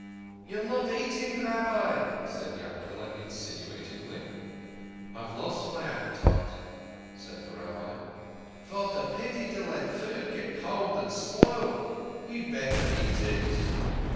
" You are not eating, Rabbi," said Yankele" insinuatingly. " I have lost my appetite," said the Rabbi. " Vat a pity to let food get cold and spoil ! You'd better eat it."